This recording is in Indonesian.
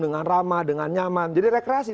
dengan ramah dengan nyaman jadi rekreasi